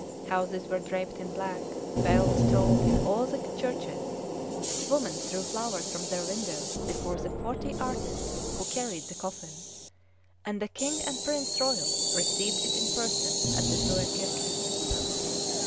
Houses were draped in black, bells tolled in all the churches, women threw flowers from their windows before the forty artists who carried the coffin, and the King and Prince royal received it in person at the Frue Kirke.